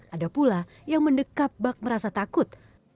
ada pula yang mendekat bak merasa takut